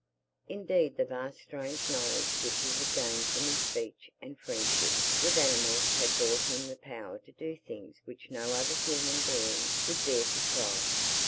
Indeed the vast strange knowledge which he had gained from his speech and friendship with animals had brought him the power to do things which no other human being would dare to try.